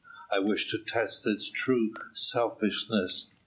I wished to test its true selflessness.